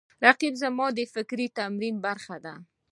رقیب زما د فکري تمرین برخه ده